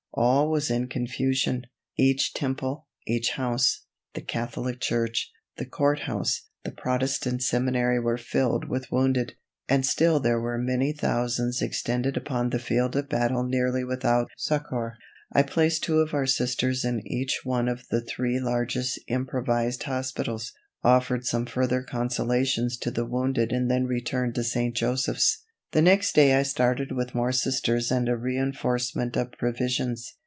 All was in confusion, each temple, each house, the Catholic church, the Court House, the Protestant Seminary were filled with wounded, and still there were many thousands extended upon the field of battle nearly without succor. I placed two of our Sisters in each one of the three largest improvised hospitals, offered some further consolations to the wounded and then returned to St. Joseph's. The next day I started with more Sisters and a reinforcement of provisions.